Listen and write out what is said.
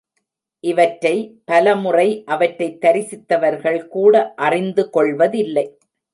இவற்றை, பல முறை அவற்றைத் தரிசித்தவர்கள் கூட அறிந்து கொள்வதில்லை.